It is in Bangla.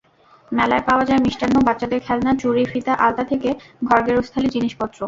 মেলায় পাওয়া যায় মিষ্টান্ন, বাচ্চাদের খেলনা, চুড়ি, ফিতা, আলতা থেকে ঘরগেরস্থালির জিনিসপত্র।